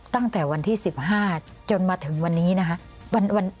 ตั้งแต่วันที่๑๕จนมาถึงวันนี้นะคะ